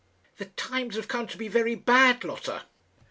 "The times have come to be very bad, Lotta."